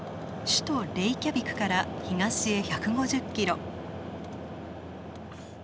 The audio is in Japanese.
首都レイキャビクから東へ１５０ｋｍ。